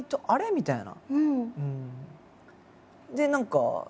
みたいな。